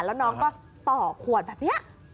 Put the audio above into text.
แล้วน้องก็ต่อขวดแบบนี้